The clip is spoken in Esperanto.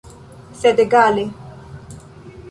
Sed egale.